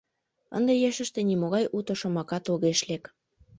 Ынде ешыште нимогай уто шомакат огеш лек.